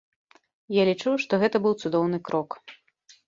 Я лічу, што гэта быў цудоўны крок.